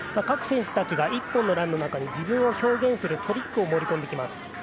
各選手たちが１本のランの中に自分を表現するトリックを盛り込んできます。